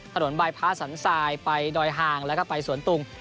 ถนนใบพร้าศรรษายไปดอยหางแล้วก็ไปสวนตุง